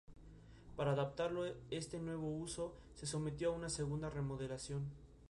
Las actividades principales son la agrícola y la turística.